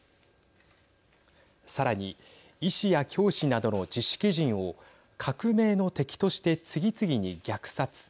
さらに医師や教師などの知識人を革命の敵として次々に虐殺。